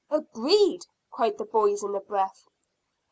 "Agreed," cried the boys, in a breath.